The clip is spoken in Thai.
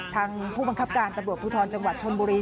ผู้บังคับการตำรวจภูทรจังหวัดชนบุรี